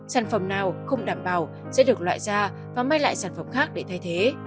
sản phẩm nào không đảm bảo sẽ được loại ra và may lại sản phẩm khác để thay thế